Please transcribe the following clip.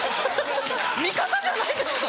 ⁉味方じゃないんですか